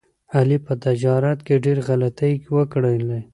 علي په تجارت کې ډېر غلطۍ وکړلې.